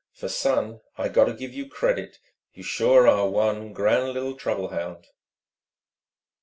For, son, I got to give you credit: you sure are one grand li'l trouble hound!"